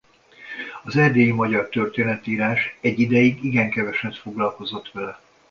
Az erdélyi magyar történetírás ez ideig igen keveset foglalkozott vele.